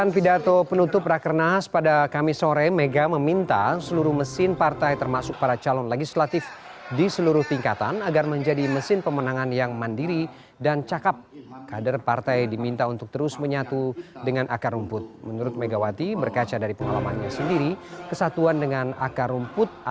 pdip perjuangan ketua umum pdip